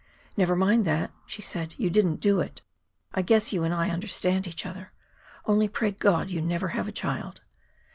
"Never mind that," she said. "You didn't do it. I guess you and I understand each other. Only pray God you never have a child."